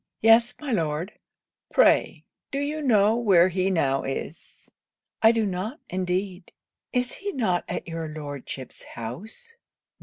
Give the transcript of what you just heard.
'Yes, my Lord.' 'Pray, do you know where he now is?' 'I do not, indeed. Is he not at your Lordship's house?'